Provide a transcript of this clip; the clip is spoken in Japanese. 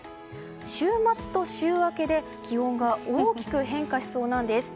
週末と週明けで気温が大きく変化しそうなんです。